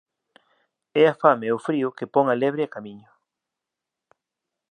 É a fame e o frío que pon a lebre a camiño.